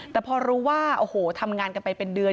แต่พอรู้ว่าโอ้โหทำงานกันไปเป็นเดือน